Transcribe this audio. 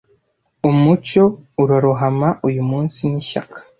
Umucyo urarohama uyumunsi nishyaka